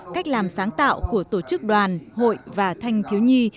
cách làm sáng tạo của tổ chức đoàn hội và thanh thiếu nhi